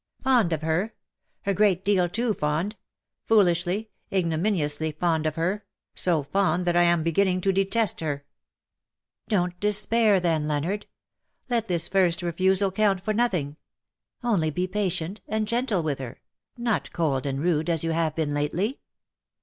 " Fond of her ? A great deal too fond — fool ishly — ignominiously fond of her — so fond that I am beginning to detest her.'' ^' Don't despair then, Leonard. Let this first LOVES YOU AS OF OLD." 91 refusal count for nothing. Only be patient, and gentle witli her — not cold and rude_, as you have been lately